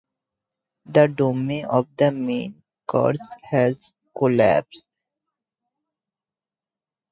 The dome of the main church has collapsed.